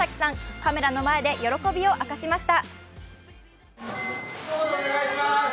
カメラの前で喜びを明かしました。